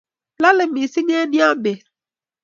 lolei mising eng' ya beet